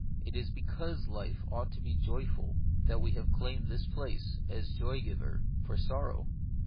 It is because life ought to be joyful that we have claimed this place, as joy giver, for sorrow.